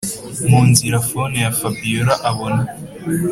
munzira phone ya fabiora abona